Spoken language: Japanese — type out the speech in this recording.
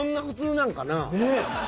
ねえ。